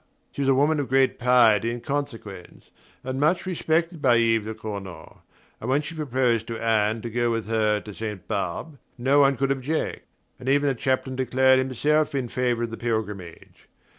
She was a woman of great piety and consequence, and much respected by Yves de Cornault, and when she proposed to Anne to go with her to Ste. Barbe no one could object, and even the chaplain declared himself in favour of the pilgrimage.